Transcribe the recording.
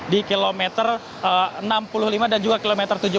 di kilometer enam puluh lima dan juga kilometer tujuh puluh